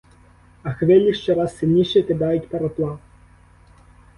А хвилі щораз сильніше кидають пароплав.